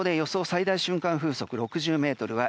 最大瞬間風速６０メートルは